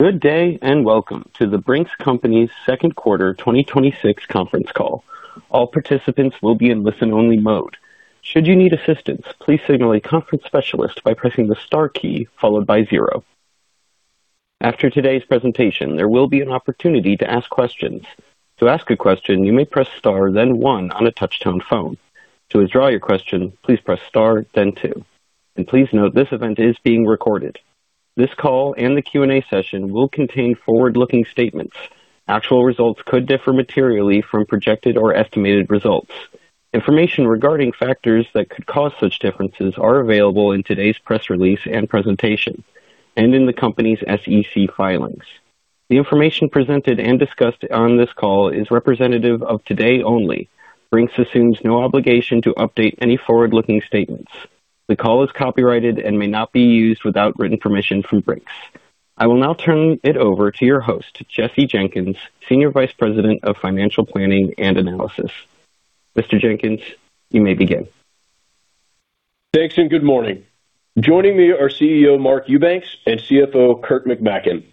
Good day. Welcome to The Brink's Company's Second Quarter 2026 Conference Call. All participants will be in listen-only mode. Should you need assistance, please signal a conference specialist by pressing the star key followed by zero. After today's presentation, there will be an opportunity to ask questions. To ask a question, you may press star then one on a touch-tone phone. To withdraw your question, please press star then two. Please note, this event is being recorded. This call and the Q&A session will contain forward-looking statements. Actual results could differ materially from projected or estimated results. Information regarding factors that could cause such differences are available in today's press release and presentation, and in the company's SEC filings. The information presented and discussed on this call is representative of today only. Brink's assumes no obligation to update any forward-looking statements. The call is copyrighted and may not be used without written permission from Brink's. I will now turn it over to your host, Jesse Jenkins, Senior Vice President of Financial Planning and Analysis. Mr. Jenkins, you may begin. Thanks. Good morning. Joining me are CEO Mark Eubanks and CFO Kurt McMaken.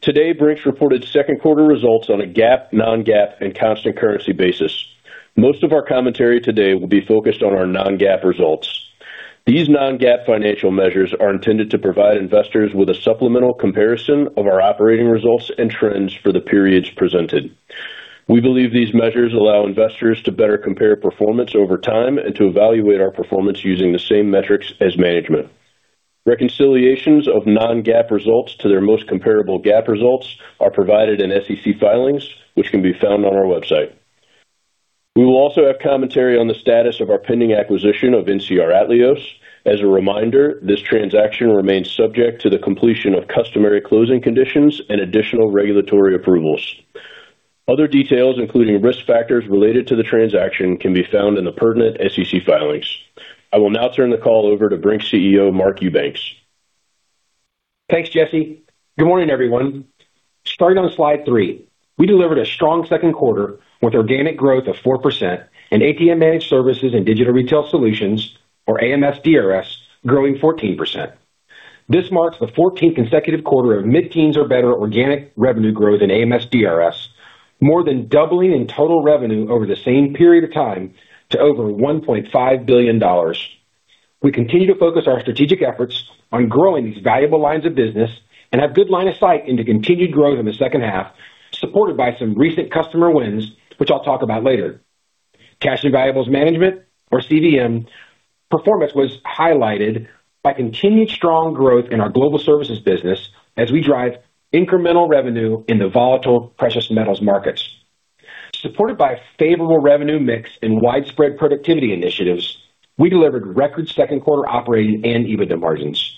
Today, Brink's reported second quarter results on a GAAP, non-GAAP, and constant currency basis. Most of our commentary today will be focused on our non-GAAP results. These non-GAAP financial measures are intended to provide investors with a supplemental comparison of our operating results and trends for the periods presented. We believe these measures allow investors to better compare performance over time and to evaluate our performance using the same metrics as management. Reconciliations of non-GAAP results to their most comparable GAAP results are provided in SEC filings, which can be found on our website. We will also have commentary on the status of our pending acquisition of NCR Atleos. As a reminder, this transaction remains subject to the completion of customary closing conditions and additional regulatory approvals. Other details, including risk factors related to the transaction, can be found in the pertinent SEC filings. I will now turn the call over to Brink's CEO, Mark Eubanks. Thanks, Jesse. Good morning, everyone. Starting on slide three, we delivered a strong second quarter with organic growth of 4% and ATM Managed Services and Digital Retail Solutions, or AMS/DRS, growing 14%. This marks the 14th consecutive quarter of mid-teens or better organic revenue growth in AMS/DRS, more than doubling in total revenue over the same period of time to over $1.5 billion. We continue to focus our strategic efforts on growing these valuable lines of business and have good line of sight into continued growth in the second half, supported by some recent customer wins, which I'll talk about later. Cash and Valuables Management, or CVM, performance was highlighted by continued strong growth in our Global Services business as we drive incremental revenue in the volatile precious metals markets. Supported by a favorable revenue mix and widespread productivity initiatives, we delivered record second quarter operating and EBITDA margins.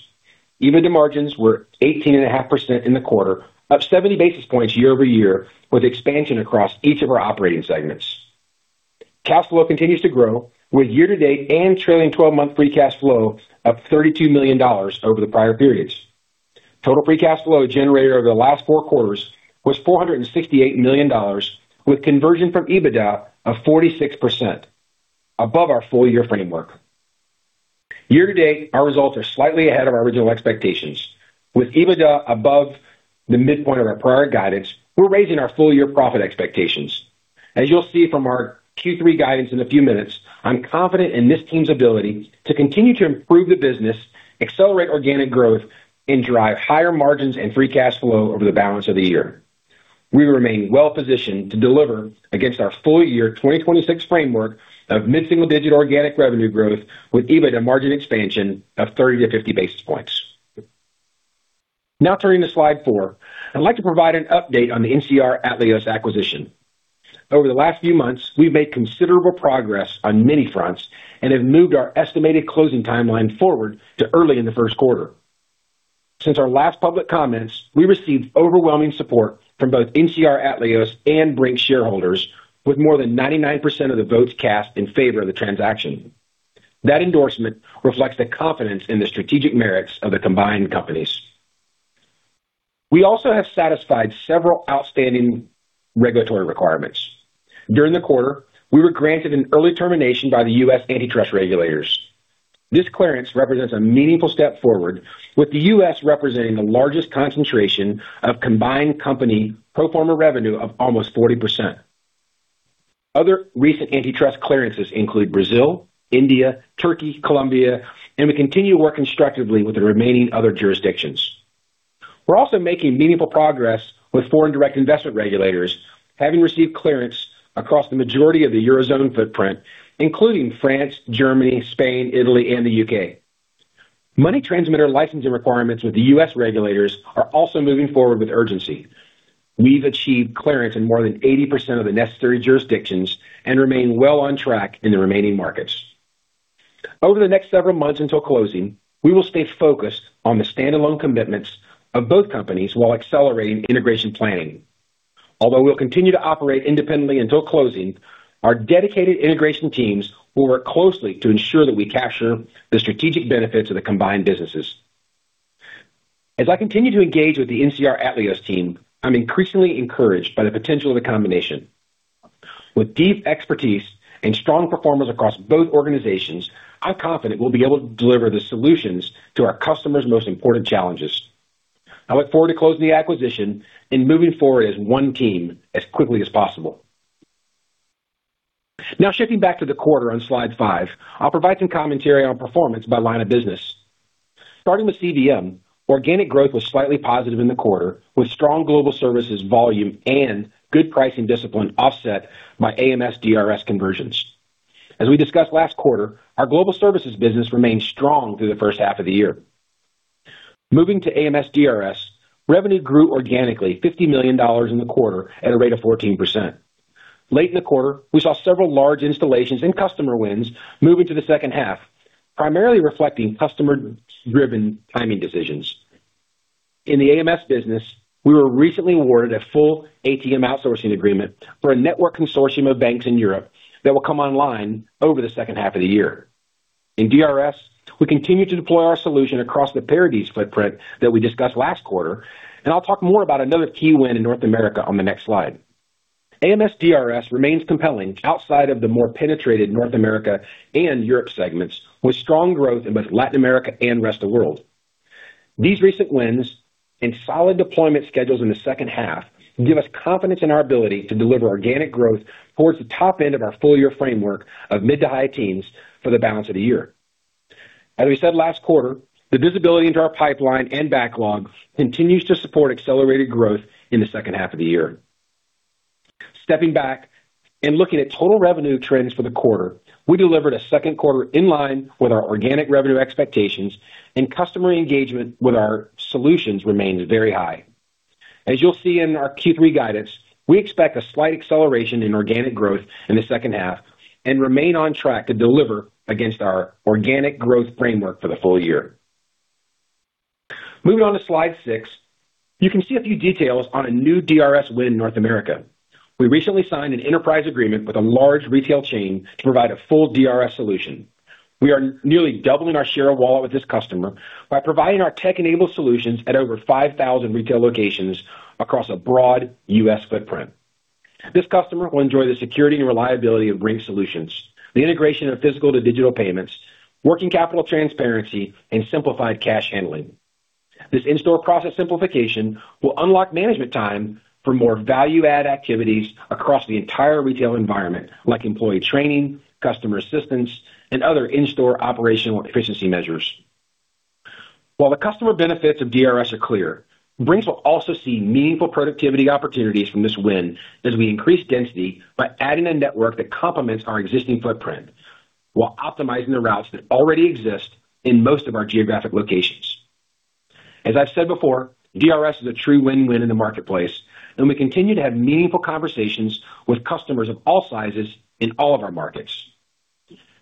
EBITDA margins were 18.5% in the quarter, up 70 basis points year-over-year, with expansion across each of our operating segments. Cash flow continues to grow, with year-to-date and trailing 12-month free cash flow up $32 million over the prior periods. Total free cash flow generated over the last four quarters was $468 million, with conversion from EBITDA of 46%, above our full-year framework. Year-to-date, our results are slightly ahead of our original expectations. With EBITDA above the midpoint of our prior guidance, we're raising our full-year profit expectations. As you'll see from our Q3 guidance in a few minutes, I'm confident in this team's ability to continue to improve the business, accelerate organic growth, and drive higher margins and free cash flow over the balance of the year. We remain well-positioned to deliver against our full-year 2026 framework of mid-single-digit organic revenue growth with EBITDA margin expansion of 30-50 basis points. Turning to slide four. I'd like to provide an update on the NCR Atleos acquisition. Over the last few months, we've made considerable progress on many fronts and have moved our estimated closing timeline forward to early in the first quarter. Since our last public comments, we received overwhelming support from both NCR Atleos and Brink's shareholders, with more than 99% of the votes cast in favor of the transaction. That endorsement reflects the confidence in the strategic merits of the combined companies. We also have satisfied several outstanding regulatory requirements. During the quarter, we were granted an early termination by the U.S. antitrust regulators. This clearance represents a meaningful step forward, with the U.S. representing the largest concentration of combined company pro forma revenue of almost 40%. Other recent antitrust clearances include Brazil, India, Turkey, Colombia, and we continue to work constructively with the remaining other jurisdictions. We're also making meaningful progress with foreign direct investment regulators, having received clearance across the majority of the Eurozone footprint, including France, Germany, Spain, Italy, and the U.K. Money transmitter licensing requirements with the U.S. regulators are also moving forward with urgency. We've achieved clearance in more than 80% of the necessary jurisdictions and remain well on track in the remaining markets. Over the next several months until closing, we will stay focused on the standalone commitments of both companies while accelerating integration planning. Although we'll continue to operate independently until closing, our dedicated integration teams will work closely to ensure that we capture the strategic benefits of the combined businesses. As I continue to engage with the NCR Atleos team, I'm increasingly encouraged by the potential of the combination. With deep expertise and strong performers across both organizations, I'm confident we'll be able to deliver the solutions to our customers' most important challenges. I look forward to closing the acquisition and moving forward as one team as quickly as possible. Now shifting back to the quarter on slide five, I'll provide some commentary on performance by line of business. Starting with CVM, organic growth was slightly positive in the quarter, with strong Global Services volume and good pricing discipline offset by AMS/DRS conversions. As we discussed last quarter, our Global Services business remains strong through the first half of the year. Moving to AMS/DRS, revenue grew organically $50 million in the quarter at a rate of 14%. Late in the quarter, we saw several large installations and customer wins moving to the second half, primarily reflecting customer-driven timing decisions. In the AMS business, we were recently awarded a full ATM outsourcing agreement for a network consortium of banks in Europe that will come online over the second half of the year. In DRS, we continue to deploy our solution across the Paradies footprint that we discussed last quarter, and I'll talk more about another key win in North America on the next slide. AMS/DRS remains compelling outside of the more penetrated North America and Europe segments, with strong growth in both Latin America and rest of world. These recent wins and solid deployment schedules in the second half give us confidence in our ability to deliver organic growth towards the top end of our full-year framework of mid-to-high teens for the balance of the year. As we said last quarter, the visibility into our pipeline and backlog continues to support accelerated growth in the second half of the year. Stepping back and looking at total revenue trends for the quarter, we delivered a second quarter in line with our organic revenue expectations and customer engagement with our solutions remains very high. As you'll see in our Q3 guidance, we expect a slight acceleration in organic growth in the second half and remain on track to deliver against our organic growth framework for the full year. Moving on to slide six, you can see a few details on a new DRS win in North America. We recently signed an enterprise agreement with a large retail chain to provide a full DRS solution. We are nearly doubling our share of wallet with this customer by providing our tech-enabled solutions at over 5,000 retail locations across a broad U.S. footprint. This customer will enjoy the security and reliability of Brink's solutions, the integration of physical to digital payments, working capital transparency, and simplified cash handling. This in-store process simplification will unlock management time for more value-add activities across the entire retail environment, like employee training, customer assistance, and other in-store operational efficiency measures. While the customer benefits of DRS are clear, Brink's will also see meaningful productivity opportunities from this win as we increase density by adding a network that complements our existing footprint while optimizing the routes that already exist in most of our geographic locations. As I've said before, DRS is a true win-win in the marketplace, and we continue to have meaningful conversations with customers of all sizes in all of our markets.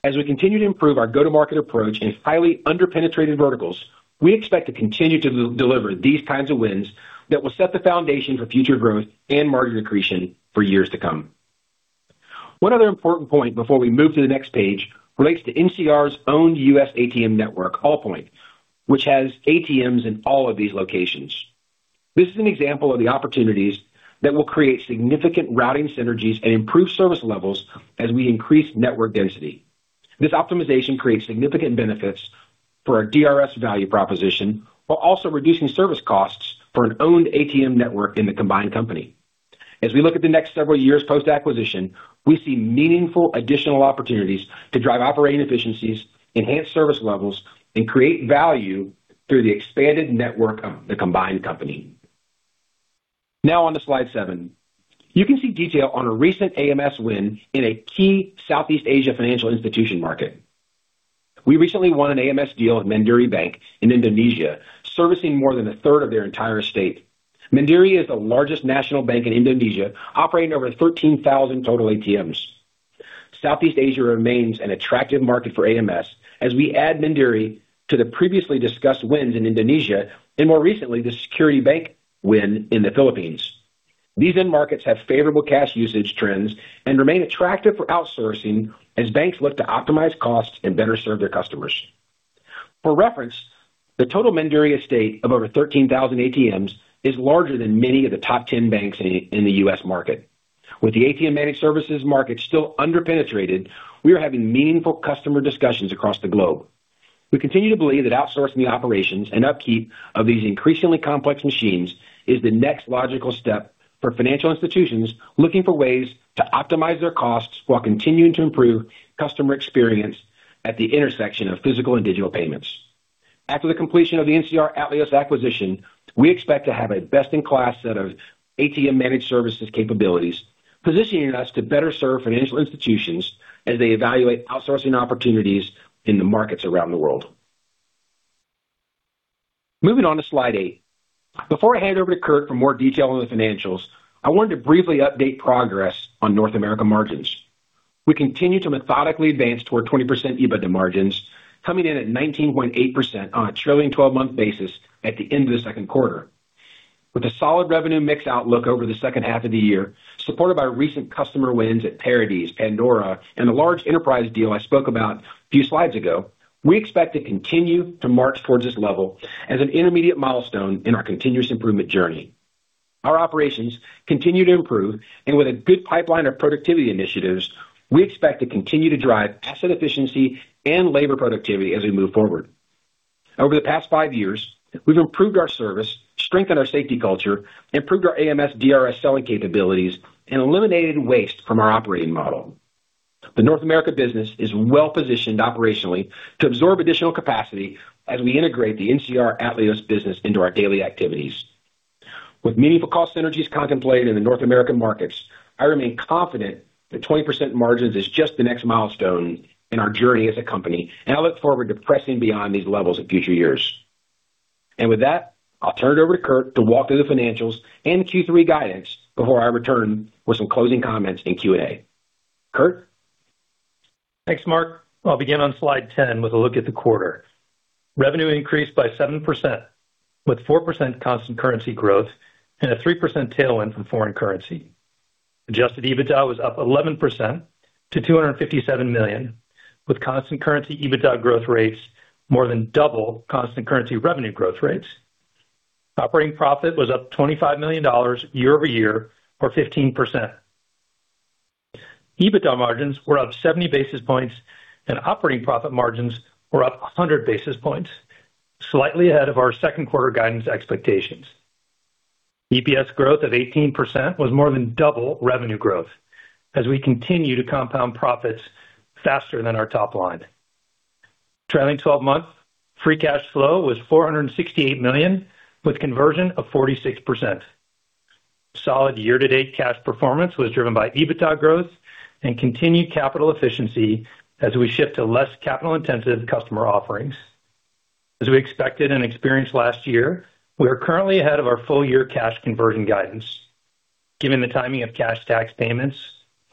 As we continue to improve our go-to-market approach in highly under-penetrated verticals, we expect to continue to deliver these kinds of wins that will set the foundation for future growth and margin accretion for years to come. One other important point before we move to the next page relates to NCR's own U.S. ATM network, Allpoint, which has ATMs in all of these locations. This is an example of the opportunities that will create significant routing synergies and improve service levels as we increase network density. This optimization creates significant benefits for our DRS value proposition while also reducing service costs for an owned ATM network in the combined company. As we look at the next several years post-acquisition, we see meaningful additional opportunities to drive operating efficiencies, enhance service levels, and create value through the expanded network of the combined company. Now on to slide seven. You can see detail on a recent AMS win in a key Southeast Asia financial institution market. We recently won an AMS deal with Mandiri Bank in Indonesia, servicing more than a third of their entire estate. Mandiri is the largest national bank in Indonesia, operating over 13,000 total ATMs. Southeast Asia remains an attractive market for AMS as we add Mandiri to the previously discussed wins in Indonesia and more recently, the Security Bank win in the Philippines. These end markets have favorable cash usage trends and remain attractive for outsourcing as banks look to optimize costs and better serve their customers. For reference, the total Mandiri estate of over 13,000 ATMs is larger than many of the top ten banks in the U.S. market. With the ATM managed services market still under-penetrated, we are having meaningful customer discussions across the globe. We continue to believe that outsourcing the operations and upkeep of these increasingly complex machines is the next logical step for financial institutions looking for ways to optimize their costs while continuing to improve customer experience at the intersection of physical and digital payments. After the completion of the NCR Atleos acquisition, we expect to have a best-in-class set of ATM managed services capabilities, positioning us to better serve financial institutions as they evaluate outsourcing opportunities in the markets around the world. Moving on to slide eight. Before I hand over to Kurt for more detail on the financials, I wanted to briefly update progress on North America margins. We continue to methodically advance toward 20% EBITDA margins, coming in at 19.8% on a trailing 12-month basis at the end of the second quarter. With a solid revenue mix outlook over the second half of the year, supported by recent customer wins at Paradies, Pandora, and the large enterprise deal I spoke about a few slides ago, we expect to continue to march towards this level as an intermediate milestone in our continuous improvement journey. Our operations continue to improve, and with a good pipeline of productivity initiatives, we expect to continue to drive asset efficiency and labor productivity as we move forward. Over the past five years, we've improved our service, strengthened our safety culture, improved our AMS/DRS selling capabilities, and eliminated waste from our operating model. The North America business is well-positioned operationally to absorb additional capacity as we integrate the NCR Atleos business into our daily activities. With meaningful cost synergies contemplated in the North American markets, I remain confident that 20% margins is just the next milestone in our journey as a company, I look forward to pressing beyond these levels in future years. With that, I'll turn it over to Kurt to walk through the financials and Q3 guidance before I return with some closing comments in Q&A. Kurt? Thanks, Mark. I'll begin on slide 10 with a look at the quarter. Revenue increased by 7%, with 4% constant currency growth and a 3% tailwind from foreign currency. Adjusted EBITDA was up 11% to $257 million, with constant currency EBITDA growth rates more than double constant currency revenue growth rates. Operating profit was up $25 million year-over-year, or 15%. EBITDA margins were up 70 basis points, and operating profit margins were up 100 basis points, slightly ahead of our second quarter guidance expectations. EPS growth of 18% was more than double revenue growth as we continue to compound profits faster than our top line. Trailing 12 months free cash flow was $468 million, with conversion of 46%. Solid year-to-date cash performance was driven by EBITDA growth and continued capital efficiency as we shift to less capital-intensive customer offerings. As we expected and experienced last year, we are currently ahead of our full-year cash conversion guidance. Given the timing of cash tax payments,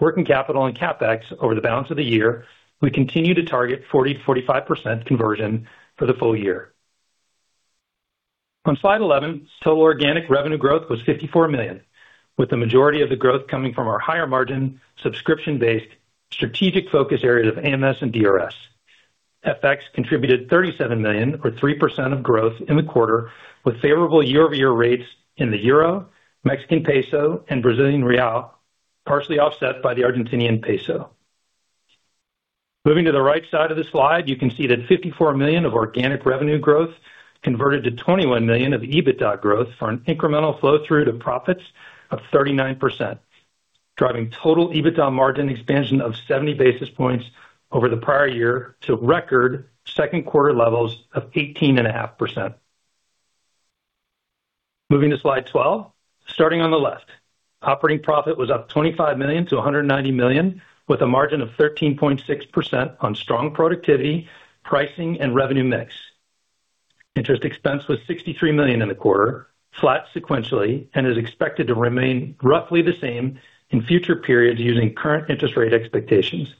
working capital, and CapEx over the balance of the year, we continue to target 40%-45% conversion for the full year. On slide 11, total organic revenue growth was $54 million, with the majority of the growth coming from our higher margin, subscription-based strategic focus areas of AMS and DRS. FX contributed $37 million or 3% of growth in the quarter, with favorable year-over-year rates in the euro, Mexican peso, and Brazilian real, partially offset by the Argentinian peso. Moving to the right side of the slide, you can see that $54 million of organic revenue growth converted to $21 million of EBITDA growth for an incremental flow through to profits of 39%, driving total EBITDA margin expansion of 70 basis points over the prior year to record second quarter levels of 18.5%. Moving to slide 12, starting on the left. Operating profit was up $25 million to $190 million, with a margin of 13.6% on strong productivity, pricing, and revenue mix. Interest expense was $63 million in the quarter, flat sequentially, and is expected to remain roughly the same in future periods using current interest rate expectations.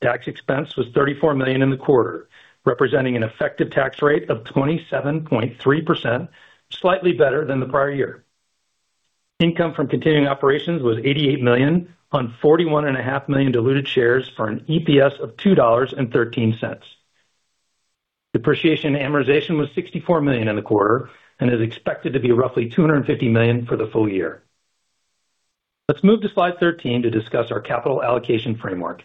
Tax expense was $34 million in the quarter, representing an effective tax rate of 27.3%, slightly better than the prior year. Income from continuing operations was $88 million on 41.5 million diluted shares for an EPS of $2.13. Depreciation and amortization was $64 million in the quarter and is expected to be roughly $250 million for the full year. Let's move to slide 13 to discuss our capital allocation framework.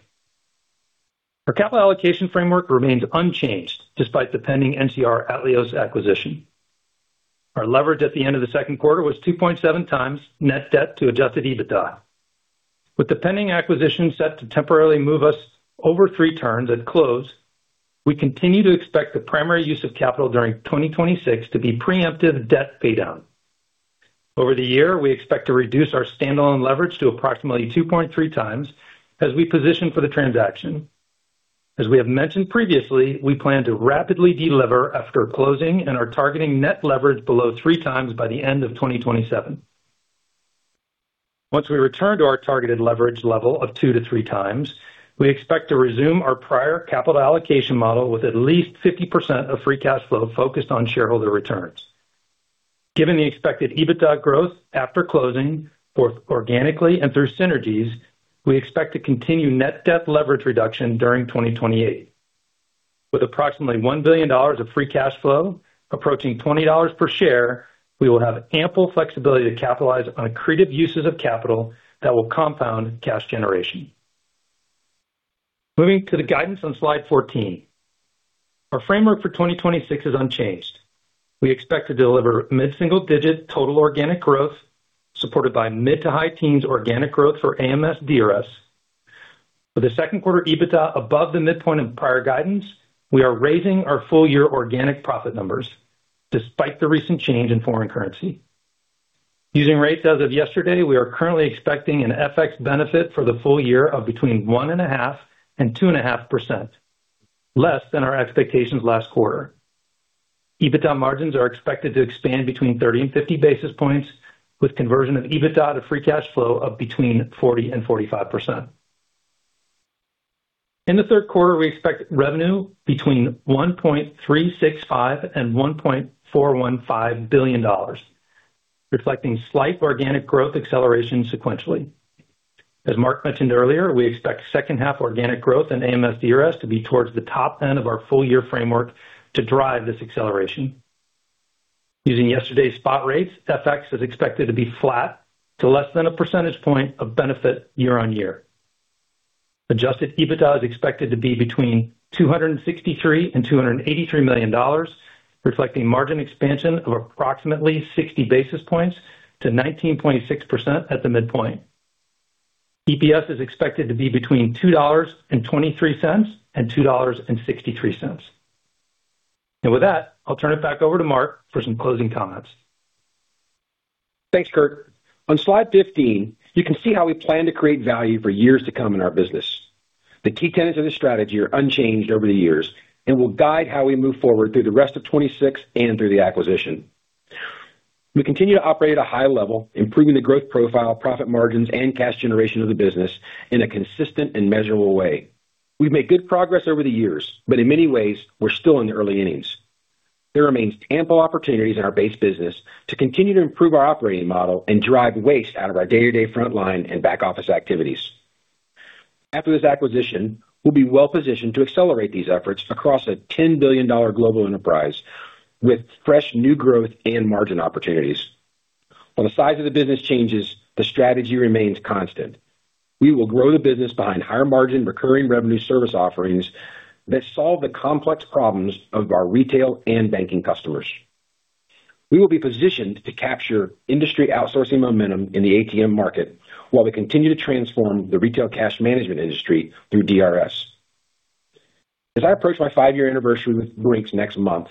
Our capital allocation framework remains unchanged despite the pending NCR Atleos acquisition. Our leverage at the end of the second quarter was 2.7x net debt to adjusted EBITDA. With the pending acquisition set to temporarily move us over three turns at close, we continue to expect the primary use of capital during 2026 to be preemptive debt paydown. Over the year, we expect to reduce our standalone leverage to approximately 2.3x as we position for the transaction. As we have mentioned previously, we plan to rapidly delever after closing and are targeting net leverage below 3x by the end of 2027. Once we return to our targeted leverage level of 2x to 3x, we expect to resume our prior capital allocation model with at least 50% of free cash flow focused on shareholder returns. Given the expected EBITDA growth after closing, both organically and through synergies, we expect to continue net debt leverage reduction during 2028. With approximately $1 billion of free cash flow approaching $20 per share, we will have ample flexibility to capitalize on accretive uses of capital that will compound cash generation. Moving to the guidance on slide 14. Our framework for 2026 is unchanged. We expect to deliver mid-single-digit total organic growth supported by mid to high teens organic growth for AMS/DRS. With a second quarter EBITDA above the midpoint of prior guidance, we are raising our full-year organic profit numbers despite the recent change in foreign currency. Using rates as of yesterday, we are currently expecting an FX benefit for the full year of between 1.5% and 2.5%, less than our expectations last quarter. EBITDA margins are expected to expand between 30 and 50 basis points, with conversion of EBITDA to free cash flow of between 40% and 45%. In the third quarter, we expect revenue between $1.365 billion and $1.415 billion, reflecting slight organic growth acceleration sequentially. As Mark mentioned earlier, we expect second half organic growth in AMS/DRS to be towards the top end of our full-year framework to drive this acceleration. Using yesterday's spot rates, FX is expected to be flat to less than a percentage point of benefit year-on-year. Adjusted EBITDA is expected to be between $263 million and $283 million, reflecting margin expansion of approximately 60 basis points to 19.6% at the midpoint. EPS is expected to be between $2.23 and $2.63. With that, I'll turn it back over to Mark for some closing comments. Thanks, Kurt. On slide 15, you can see how we plan to create value for years to come in our business. The key tenets of this strategy are unchanged over the years and will guide how we move forward through the rest of 2026 and through the acquisition. We continue to operate at a high level, improving the growth profile, profit margins, and cash generation of the business in a consistent and measurable way. We've made good progress over the years, but in many ways we're still in the early innings. There remains ample opportunities in our base business to continue to improve our operating model and drive waste out of our day-to-day frontline and back-office activities. After this acquisition, we'll be well-positioned to accelerate these efforts across a $10 billion global enterprise with fresh new growth and margin opportunities. While the size of the business changes, the strategy remains constant. We will grow the business behind higher margin recurring revenue service offerings that solve the complex problems of our retail and banking customers. We will be positioned to capture industry outsourcing momentum in the ATM market while we continue to transform the retail cash management industry through DRS. As I approach my five-year anniversary with Brink's next month,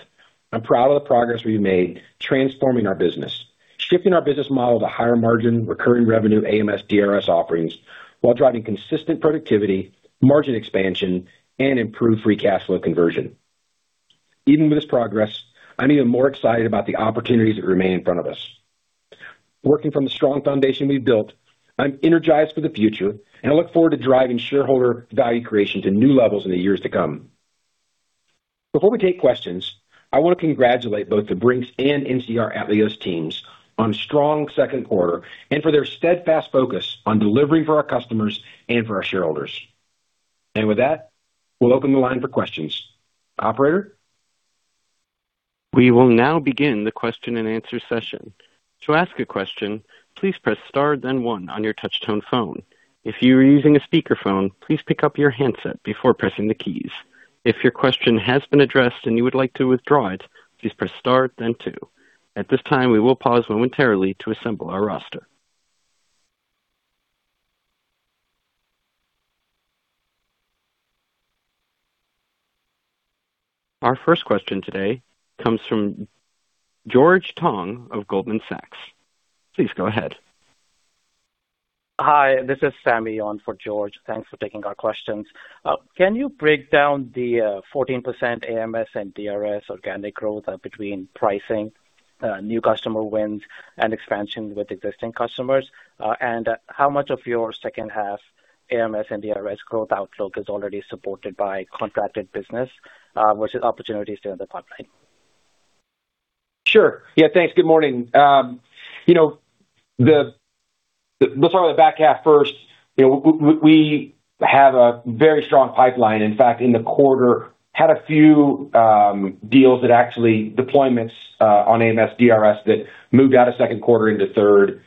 I'm proud of the progress we've made transforming our business, shifting our business model to higher margin recurring revenue AMS/DRS offerings while driving consistent productivity, margin expansion, and improved free cash flow conversion. Even with this progress, I'm even more excited about the opportunities that remain in front of us. Working from the strong foundation we've built, I'm energized for the future, and I look forward to driving shareholder value creation to new levels in the years to come. Before we take questions, I want to congratulate both the Brink's and NCR Atleos teams on a strong second quarter and for their steadfast focus on delivering for our customers and for our shareholders. With that, we'll open the line for questions. Operator. We will now begin the question and answer session. To ask a question, please press star then one on your touch tone phone. If you are using a speakerphone, please pick up your handset before pressing the keys. If your question has been addressed and you would like to withdraw it, please press star then two. At this time, we will pause momentarily to assemble our roster. Our first question today comes from George Tong of Goldman Sachs. Please go ahead. Hi, this is Sami on for George. Thanks for taking our questions. Can you break down the 14% AMS and DRS organic growth between pricing, new customer wins, and expansions with existing customers? How much of your second half AMS and DRS growth outlook is already supported by contracted business versus opportunities down the pipeline? Sure. Yeah, thanks. Good morning. We'll start with the back half first. We have a very strong pipeline. In fact, in the quarter had a few deals that actually deployments on AMS/DRS that moved out of second quarter into third.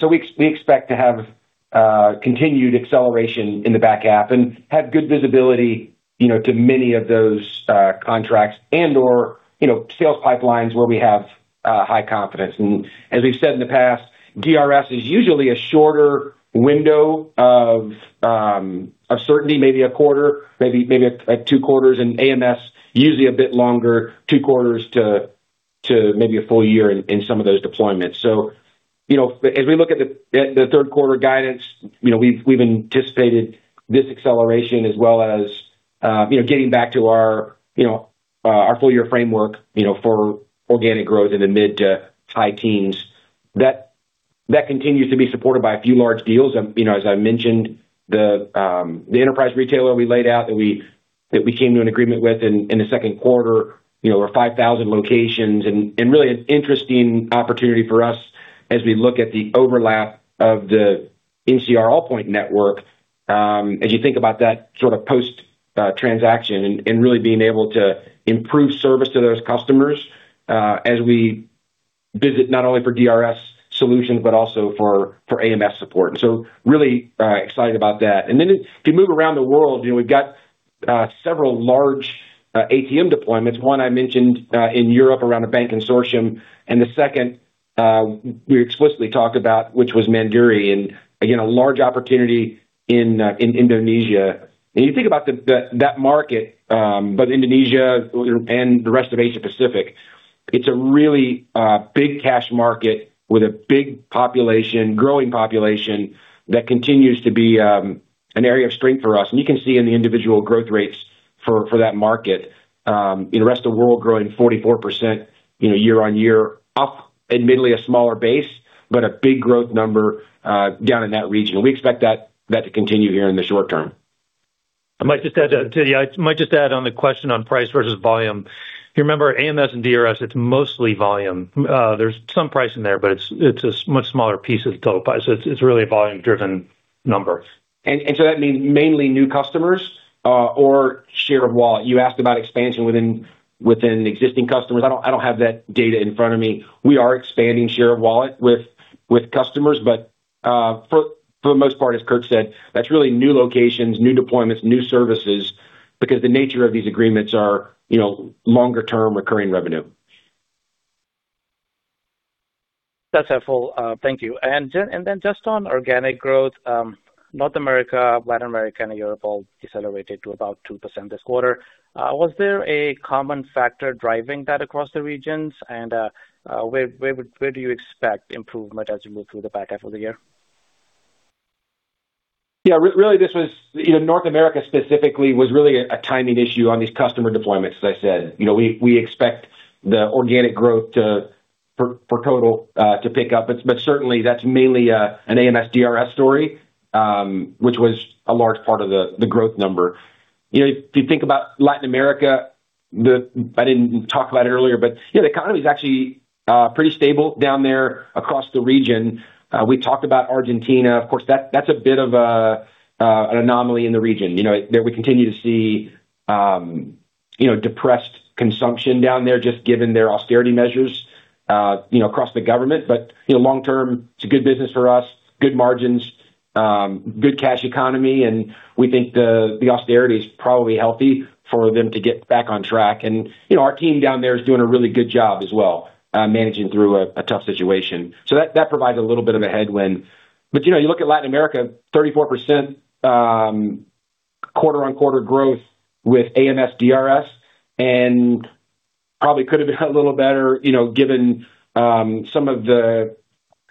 We expect to have continued acceleration in the back half and have good visibility to many of those contracts and or sales pipelines where we have high confidence. As we've said in the past, DRS is usually a shorter window of certainty, maybe a quarter, maybe two quarters, and AMS usually a bit longer, two quarters to maybe a full year in some of those deployments. As we look at the third quarter guidance, we've anticipated this acceleration as well as getting back to our full-year framework for organic growth in the mid to high teens. That continues to be supported by a few large deals. As I mentioned, the enterprise retailer we laid out that we came to an agreement with in the second quarter for 5,000 locations and really an interesting opportunity for us as we look at the overlap of the NCR, Allpoint network as you think about that sort of post-transaction and really being able to improve service to those customers as we visit not only for DRS solutions but also for AMS support. Really excited about that. If you move around the world, we've got several large ATM deployments. One I mentioned in Europe around a bank consortium, and the second we explicitly talked about, which was Mandiri, again, a large opportunity in Indonesia. You think about that market, both Indonesia and the rest of Asia Pacific, it's a really big cash market with a big population, growing population that continues to be an area of strength for us. You can see in the individual growth rates for that market, the rest of the world growing 44% year-on-year up, admittedly a smaller base, but a big growth number down in that region. We expect that to continue here in the short term. I might just add on the question on price versus volume. If you remember, AMS and DRS, it is mostly volume. There is some price in there, but it is a much smaller piece of the total price. It is really a volume-driven number. That means mainly new customers, or share of wallet. You asked about expansion within existing customers. I do not have that data in front of me. We are expanding share of wallet with customers, but, for the most part, as Kurt said, that is really new locations, new deployments, new services, because the nature of these agreements are longer-term recurring revenue. That is helpful. Thank you. Just on organic growth, North America, Latin America, and Europe all decelerated to about 2% this quarter. Was there a common factor driving that across the regions? Where do you expect improvement as we move through the back half of the year? North America specifically, was really a timing issue on these customer deployments, as I said. We expect the organic growth for total to pick up. Certainly, that is mainly an AMS/DRS story, which was a large part of the growth number. If you think about Latin America, I did not talk about it earlier, the economy is actually pretty stable down there across the region. We talked about Argentina. Of course, that is a bit of an anomaly in the region. There we continue to see depressed consumption down there, just given their austerity measures across the government. Long term, it is a good business for us, good margins, good cash economy, we think the austerity is probably healthy for them to get back on track. Our team down there is doing a really good job as well, managing through a tough situation. That provides a little bit of a headwind. You look at Latin America, 34% quarter-on-quarter growth with AMS/DRS, and probably could have been a little better given some of the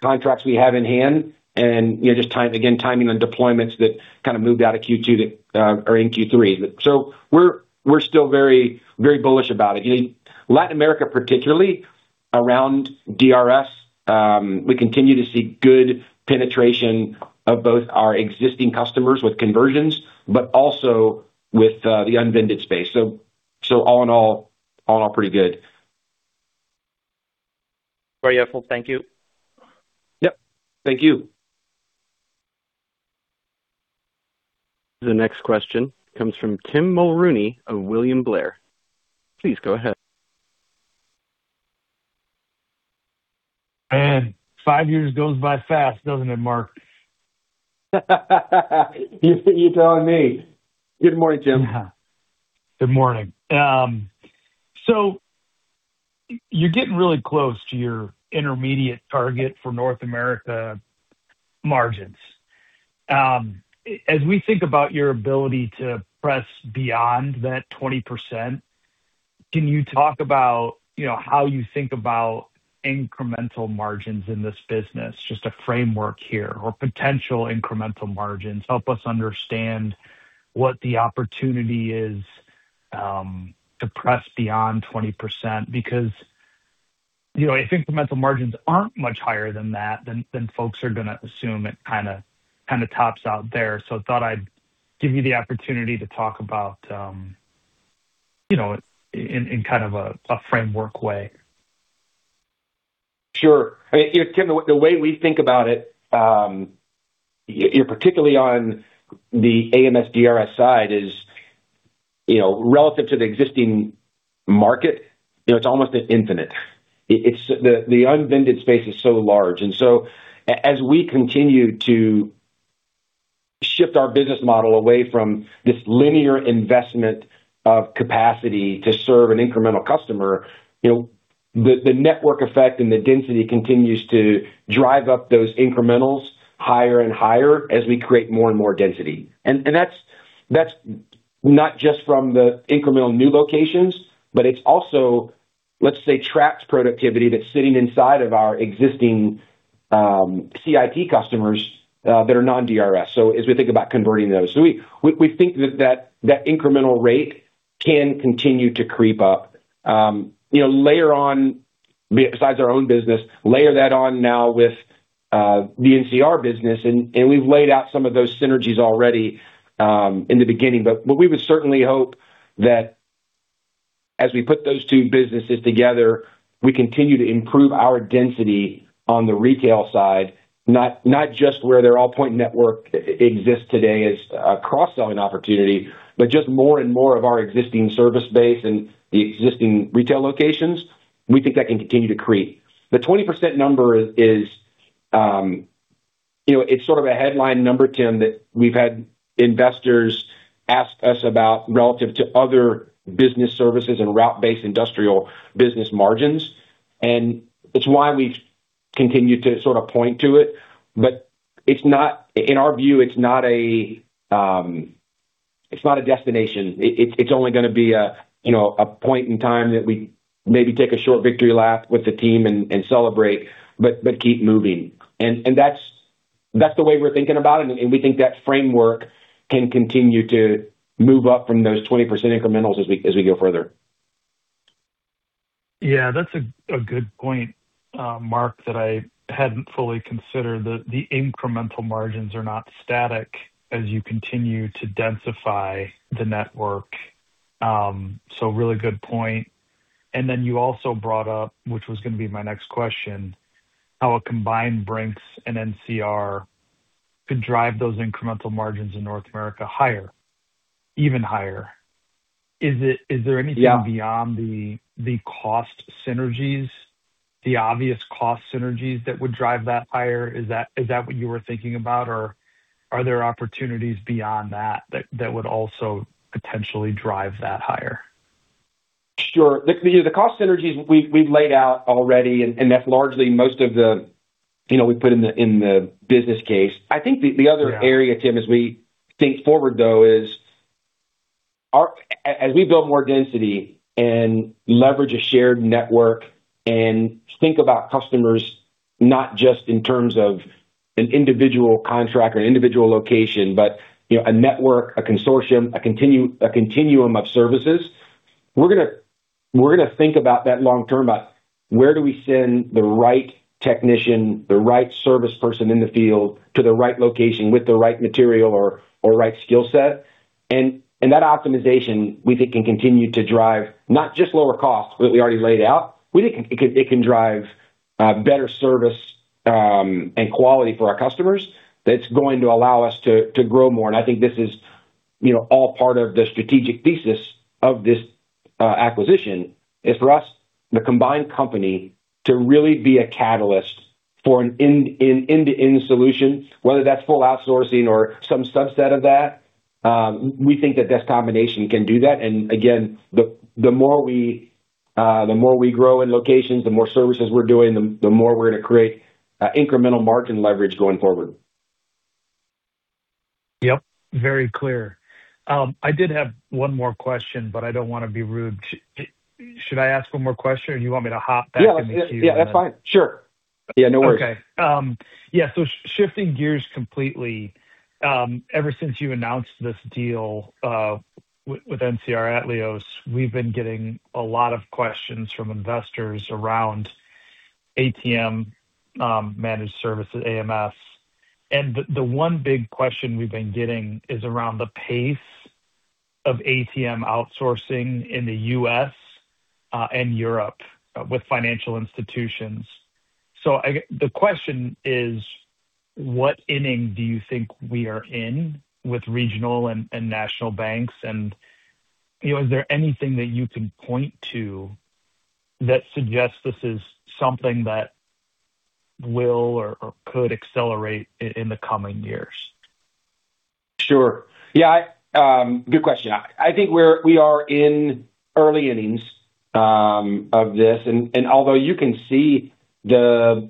contracts we have in hand and, just, again, timing on deployments that kind of moved out of Q2 or in Q3. We're still very bullish about it. Latin America particularly, around DRS, we continue to see good penetration of both our existing customers with conversions, but also with the unvended space. All in all, pretty good. Very helpful. Thank you. Yep. Thank you. The next question comes from Tim Mulrooney of William Blair. Please go ahead. Man, five years goes by fast, doesn't it, Mark? You're telling me. Good morning, Tim. Yeah. Good morning. You're getting really close to your intermediate target for North America margins. As we think about your ability to press beyond that 20%, can you talk about how you think about incremental margins in this business, just a framework here, or potential incremental margins? Help us understand what the opportunity is to press beyond 20%, because if incremental margins aren't much higher than that, folks are going to assume it kind of tops out there. I thought I'd give you the opportunity to talk about in kind of a framework way. Sure. Tim, the way we think about it, particularly on the AMS/DRS side, is relative to the existing market, it's almost infinite. The unvended space is so large. As we continue to shift our business model away from this linear investment of capacity to serve an incremental customer, the network effect and the density continues to drive up those incrementals higher and higher as we create more and more density. That's not just from the incremental new locations, but it's also, let's say, trapped productivity that's sitting inside of our existing CIT customers that are non-DRS. As we think about converting those. We think that that incremental rate can continue to creep up. Besides our own business, layer that on now with the NCR business, we've laid out some of those synergies already in the beginning. What we would certainly hope that as we put those two businesses together, we continue to improve our density on the retail side, not just where their Allpoint network exists today as a cross-selling opportunity, but just more and more of our existing service base and the existing retail locations, we think that can continue to creep. The 20% number is sort of a headline number, Tim, that we've had investors ask us about relative to other business services and route-based industrial business margins, and it's why we've continued to sort of point to it. In our view, it's not a destination. It's only going to be a point in time that we maybe take a short victory lap with the team and celebrate, but keep moving. That's the way we're thinking about it, and we think that framework can continue to move up from those 20% incrementals as we go further. That's a good point, Mark, that I hadn't fully considered, that the incremental margins are not static as you continue to densify the network. Really good point. Then you also brought up, which was going to be my next question, how a combined Brink's and NCR could drive those incremental margins in North America higher, even higher. Is there anything beyond the cost synergies, the obvious cost synergies that would drive that higher? Is that what you were thinking about, or are there opportunities beyond that that would also potentially drive that higher? Sure. The cost synergies we've laid out already, and that's largely most of the We put in the business case. Tim, as we think forward, though, is as we build more density and leverage a shared network and think about customers not just in terms of an individual contract or an individual location, but a network, a consortium, a continuum of services, we're going to think about that long term, about where do we send the right technician, the right service person in the field to the right location with the right material or right skill set. That optimization, we think, can continue to drive not just lower costs, what we already laid out. We think it can drive better service and quality for our customers that's going to allow us to grow more. I think this is all part of the strategic thesis of this acquisition, is for us, the combined company, to really be a catalyst for an end-to-end solution, whether that's full outsourcing or some subset of that. We think that this combination can do that. Again, the more we grow in locations, the more services we're doing, the more we're going to create incremental margin leverage going forward. Yep, very clear. I did have one more question, but I don't want to be rude. Should I ask one more question, or do you want me to hop back in the queue? Yeah, that's fine. Sure. Yeah, no worries. Okay. Yeah, shifting gears completely. Ever since you announced this deal with NCR Atleos, we've been getting a lot of questions from investors around ATM Managed Services, AMS. The one big question we've been getting is around the pace of ATM outsourcing in the U.S. and Europe with financial institutions. The question is, what inning do you think we are in with regional and national banks? Is there anything that you can point to that suggests this is something that will or could accelerate in the coming years? Sure. Yeah. Good question. I think we are in early innings of this. Although you can see there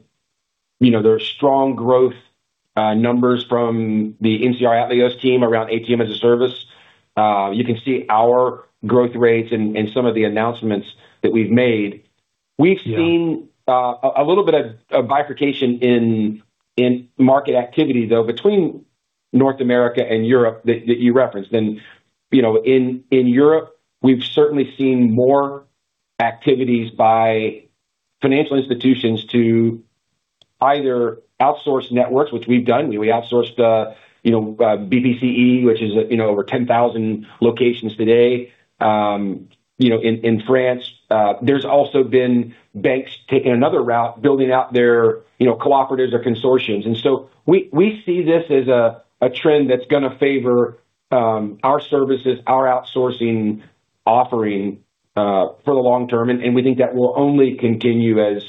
are strong growth numbers from the NCR Atleos team around ATM as a service, you can see our growth rates in some of the announcements that we've made. Yeah. We've seen a little bit of bifurcation in market activity, though, between North America and Europe that you referenced. In Europe, we've certainly seen more activities by financial institutions to either outsource networks, which we've done. We outsourced the BPCE, which is over 10,000 locations today in France. There's also been banks taking another route, building out their cooperatives or consortiums. We see this as a trend that's going to favor our services, our outsourcing offering for the long term, and we think that will only continue as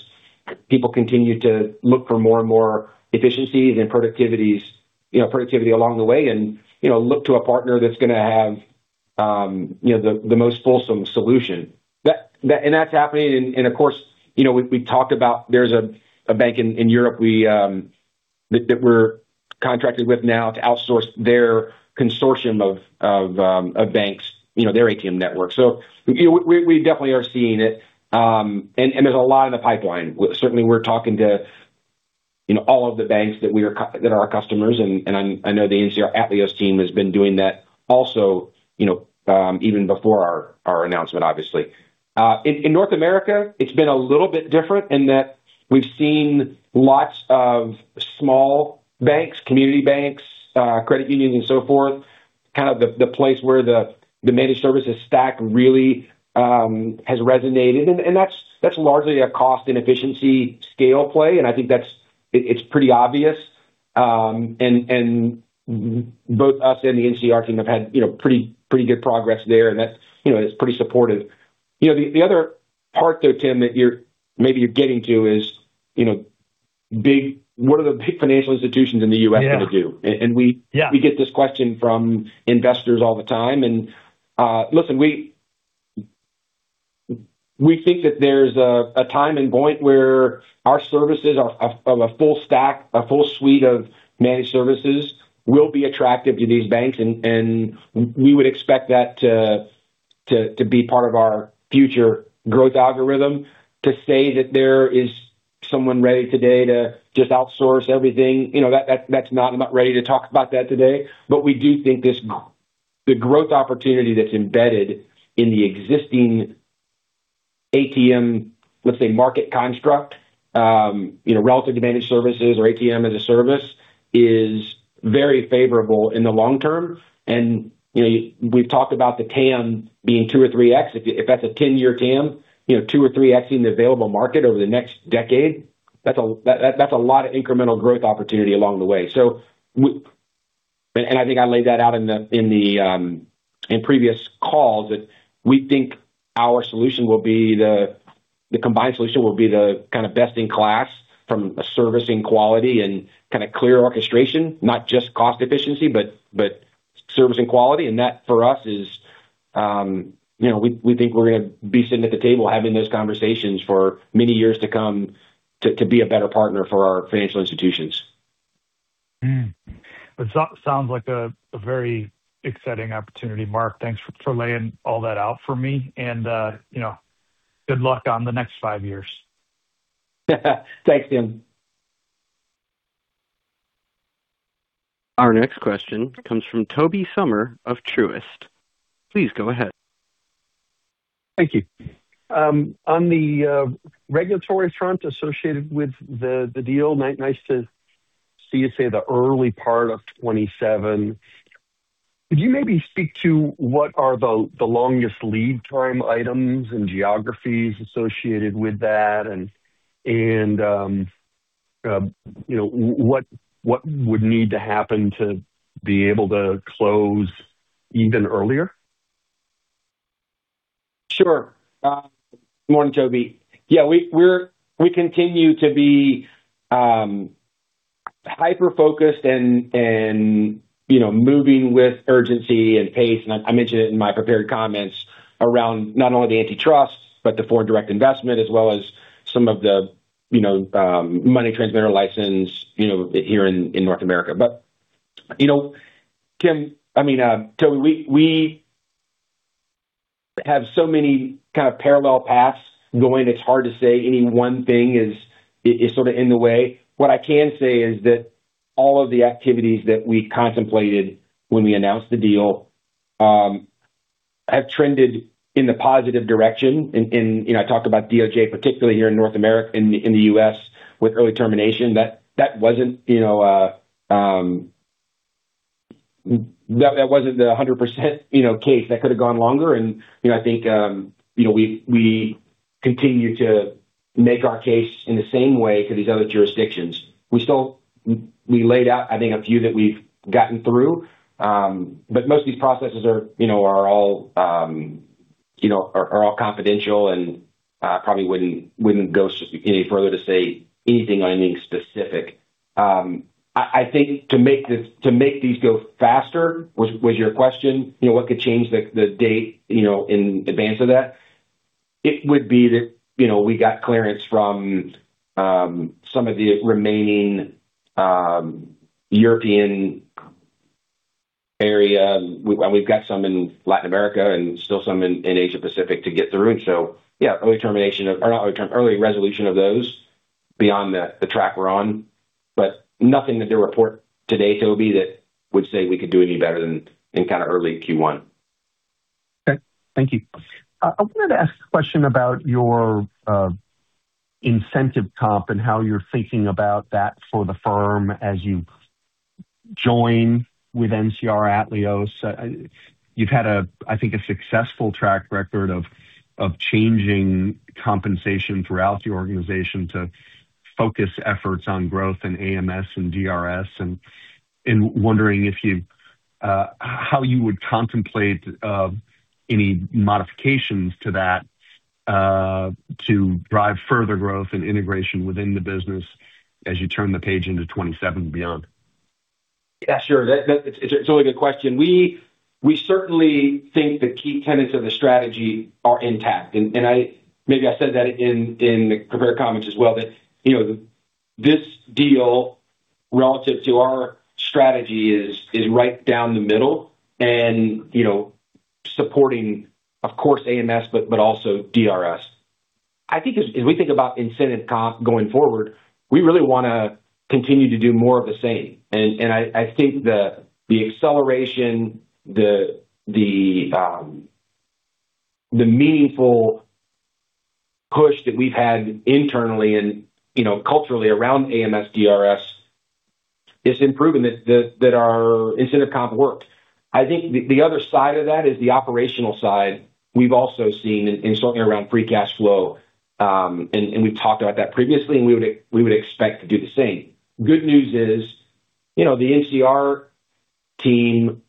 people continue to look for more and more efficiencies and productivity along the way and look to a partner that's going to have the most fulsome solution. That's happening, and of course, we talked about there's a bank in Europe that we're contracted with now to outsource their consortium of banks, their ATM network. We definitely are seeing it. There's a lot in the pipeline. Certainly, we're talking to all of the banks that are our customers, and I know the NCR Atleos team has been doing that also even before our announcement, obviously. In North America, it's been a little bit different in that we've seen lots of small banks, community banks, credit unions and so forth, kind of the place where the managed services stack really has resonated. That's largely a cost and efficiency scale play, and I think it's pretty obvious. Both us and the NCR team have had pretty good progress there, and it's pretty supportive. The other part, though, Tim, that maybe you're getting to is what are the big financial institutions in the U.S. going to do? Yeah. We get this question from investors all the time. Listen, we think that there's a time and point where our services of a full stack, a full suite of managed services will be attractive to these banks, and we would expect that to be part of our future growth algorithm. To say that there is someone ready today to just outsource everything, that's not. I'm not ready to talk about that today. We do think this model The growth opportunity that's embedded in the existing ATM, let's say, market construct, relative advantage services or ATM as a service, is very favorable in the long term. We've talked about the TAM being 2x or 3x. If that's a 10-year TAM, 2x or 3x in the available market over the next decade, that's a lot of incremental growth opportunity along the way. I think I laid that out in previous calls, that we think our solution will be the combined solution will be the kind of best in class from a servicing quality and kind of clear orchestration, not just cost efficiency, but servicing quality. That for us is, we think we're going to be sitting at the table having those conversations for many years to come to be a better partner for our financial institutions. That sounds like a very exciting opportunity, Mark. Thanks for laying all that out for me. Good luck on the next five years. Thanks, Tim. Our next question comes from Tobey Sommer of Truist. Please go ahead. Thank you. On the regulatory front associated with the deal, nice to see you say the early part of 2027. Could you maybe speak to what are the longest lead time items and geographies associated with that and what would need to happen to be able to close even earlier? Sure. Good morning, Tobey. We continue to be hyper-focused and moving with urgency and pace, and I mentioned it in my prepared comments around not only the antitrust but the foreign direct investment as well as some of the money transmitter license here in North America. Tobey, we have so many kind of parallel paths going, it's hard to say any one thing is sort of in the way. What I can say is that all of the activities that we contemplated when we announced the deal have trended in the positive direction. I talk about DOJ, particularly here in North America, in the U.S., with early termination. That wasn't the 100% case. That could have gone longer, and I think we continue to make our case in the same way to these other jurisdictions. We laid out, I think, a few that we've gotten through, but most of these processes are all confidential and probably wouldn't go any further to say anything on any specific. I think to make these go faster, was your question, what could change the date in advance of that? It would be that we got clearance from some of the remaining European area. We've got some in Latin America and still some in Asia-Pacific to get through. Early resolution of those beyond the track we're on, but nothing to report today, Tobey, that would say we could do any better than in kind of early Q1. Okay, thank you. I wanted to ask a question about your incentive comp and how you're thinking about that for the firm as you join with NCR Atleos. You've had, I think, a successful track record of changing compensation throughout the organization to focus efforts on growth and AMS and DRS, and wondering how you would contemplate any modifications to that to drive further growth and integration within the business as you turn the page into 2027 and beyond. It's a really good question. We certainly think the key tenets of the strategy are intact, and maybe I said that in the prepared comments as well, that this deal relative to our strategy is right down the middle and supporting, of course, AMS, but also DRS. I think as we think about incentive comp going forward, we really want to continue to do more of the same. The acceleration, the meaningful push that we've had internally and culturally around AMS/DRS is improving, that our incentive comp works. The other side of that is the operational side. We've also seen in circling around free cash flow, and we've talked about that previously, and we would expect to do the same. Good news is the NCR team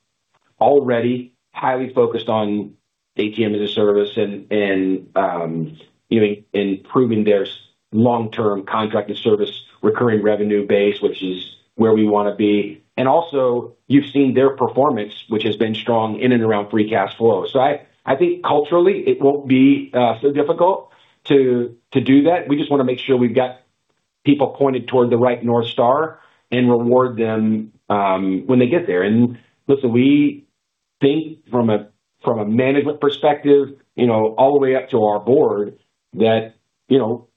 already highly focused on ATM as a service and improving their long-term contracted service recurring revenue base, which is where we want to be. You've seen their performance, which has been strong in and around free cash flow. I think culturally it won't be so difficult to do that. We just want to make sure we've got people pointed toward the right North Star and reward them when they get there. From a management perspective, all the way up to our board that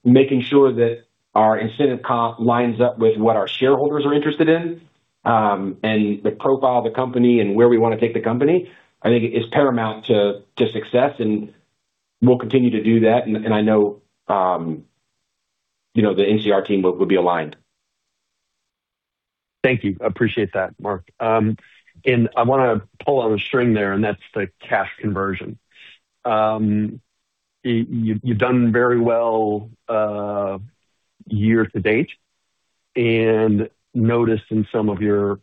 making sure that our incentive comp lines up with what our shareholders are interested in, and the profile of the company and where we want to take the company, I think is paramount to success, and we'll continue to do that. I know the NCR team will be aligned. Thank you. Appreciate that, Mark. I want to pull on a string there, and that's the cash conversion. You've done very well year-to-date and notice in some of your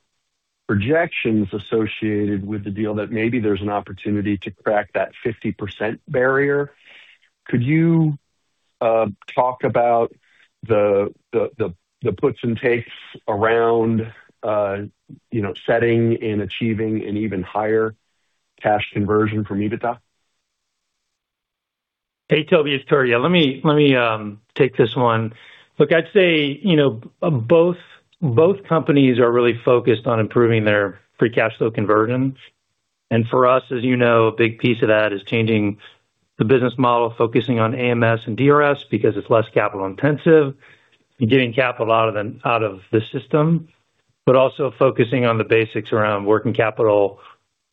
projections associated with the deal that maybe there's an opportunity to crack that 50% barrier. Could you talk about the puts and takes around setting and achieving an even higher cash conversion from EBITDA? Hey, Tobey, it's Kurt. Let me take this one. Look, I'd say both companies are really focused on improving their free cash flow conversion. For us, as you know, a big piece of that is changing the business model, focusing on AMS and DRS because it's less capital intensive, and getting capital out of the system, but also focusing on the basics around working capital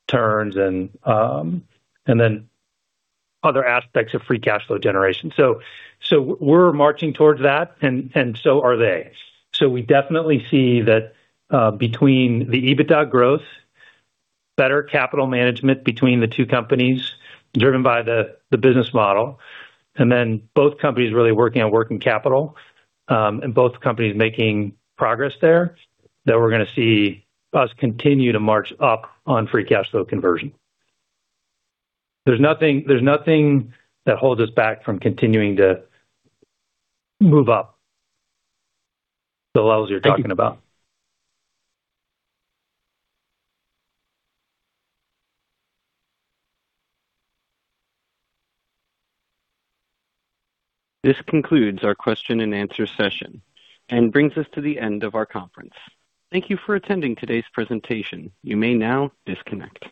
turns and then other aspects of free cash flow generation. We're marching towards that and so are they. We definitely see that between the EBITDA growth, better capital management between the two companies driven by the business model, and then both companies really working on working capital, and both companies making progress there, that we're going to see us continue to march up on free cash flow conversion. There's nothing that holds us back from continuing to move up the levels you're talking about. Thank you. This concludes our question and answer session and brings us to the end of our conference. Thank you for attending today's presentation. You may now disconnect.